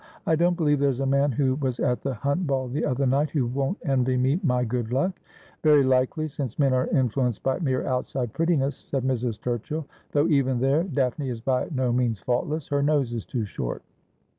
I don't believe there's a man who was at the Hunt Ball the other night who won't envy me my good luck.' ' Very likely ; since men are influenced by mere outside prettiness,' said Mrs. Turchill. ' Though even there Daphne is by no means faultless. Her nose is too short.'